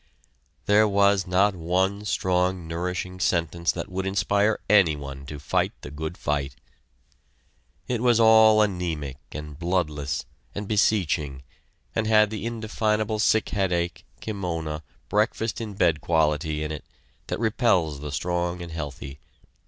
There was not one strong nourishing sentence that would inspire anyone to fight the good fight. It was all anemic and bloodless, and beseeching, and had the indefinable sick headache, kimona, breakfast in bed quality in it, that repels the strong and healthy.